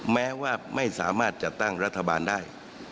แม้ว่าไม่สามารถจัดตั้งรัฐบาลได้